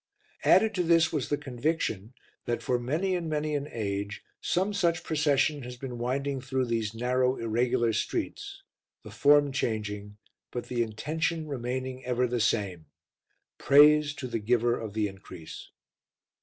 Added to this was the conviction that for many and many an age some such procession has been winding through these narrow, irregular streets, the form changing, but the intention remaining ever the same Praise to the Giver of the Increase.